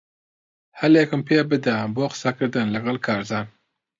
ھەلێکم پێبدە بۆ قسەکردن لەگەڵ کارزان.